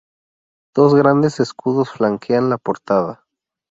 Dos grandes escudos flanquean la portada.